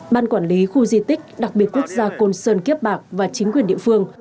ban quản lý khu di tích đặc biệt quốc gia côn sơn kiếp bạc và chính quyền địa phương